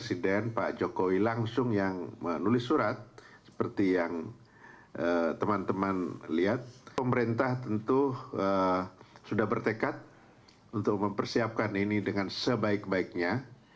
tiongkok itu sudah bertekad untuk mempersiapkan ini dengan sebaik baiknya